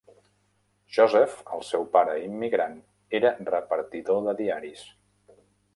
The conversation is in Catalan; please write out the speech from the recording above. Joseph, el seu pare immigrant, era repartidor de diaris.